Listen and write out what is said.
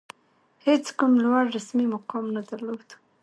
هېڅ کوم لوړ رسمي مقام نه درلود.